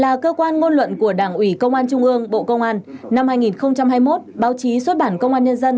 là cơ quan ngôn luận của đảng ủy công an trung ương bộ công an năm hai nghìn hai mươi một báo chí xuất bản công an nhân dân